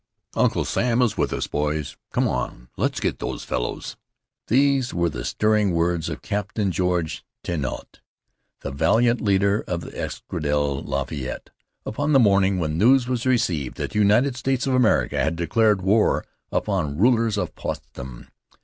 "Uncle Sam is with us, boys! Come on! Let's get those fellows!" These were the stirring words of Captain Georges Thénault, the valiant leader of the Escadrille Lafayette, upon the morning when news was received that the United States of America had declared war upon the rulers of Potsdam.